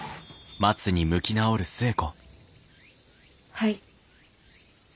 はい。